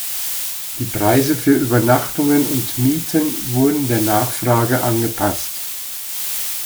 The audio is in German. Die Preise für Übernachtungen und Mieten wurden der Nachfrage angepasst.